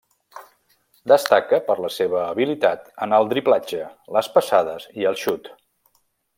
Destaca per la seva habilitat en el driblatge, les passades i el xut.